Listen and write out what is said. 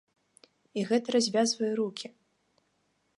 І гэта развязвае рукі.